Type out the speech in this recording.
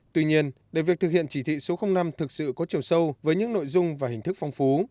tuy nhiên để việc thực hiện chỉ thị số năm thực sự có chiều sâu với những nội dung và hình thức phong phú